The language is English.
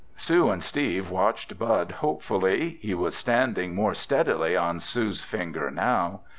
Sue and Steve watched Bud hopefully. He was standing more steadily on Sue's finger now.